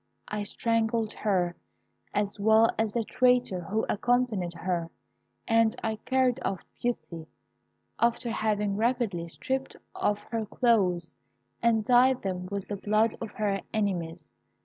I strangled her, as well as the traitor who accompanied her, and I carried off Beauty, after having rapidly stripped off her clothes and dyed them with the blood of her enemies.